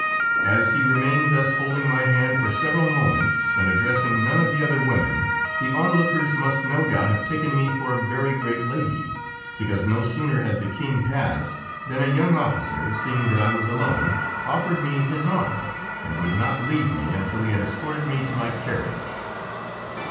As he remained thus holding my hand for several moments and addressing none of the other women, the onlookers must no doubt have taken me for a very great lady, because, no sooner had the King passed than a young officer, seeing that I was alone, offered me his arm, and would not leave me until he had escorted me to my carriage.